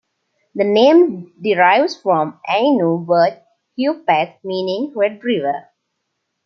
The name derives from Ainu word "hure-pet", meaning "red river".